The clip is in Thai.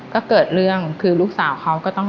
ก็เกิดเรื่องคือลูกสาวเขาก็ต้อง